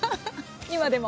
今でも？